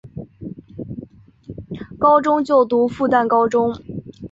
高中就读复旦高中。